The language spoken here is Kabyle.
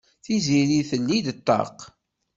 Tiziri telli-d ṭṭaq.